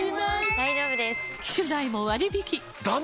大丈夫です！